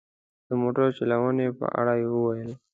د موټر چلونې په اړه یې وویل.